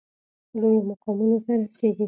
لویو مقامونو ته رسیږي.